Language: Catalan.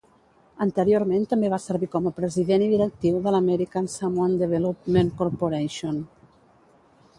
Anteriorment també va servir com a president i directiu de l'American Samoan Development Corporation.